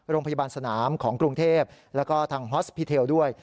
โรงพยาบาลสนามของกรุงเทพแล้วก็ทางฮอสพีเทลด้วย